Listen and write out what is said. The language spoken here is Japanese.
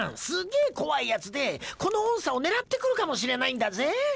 すげえ怖いやつでこの音叉を狙ってくるかもしれないんだぜ？